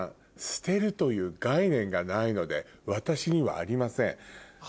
「捨てるという概念がないので私にはありません」。